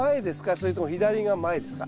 それとも左が前ですか？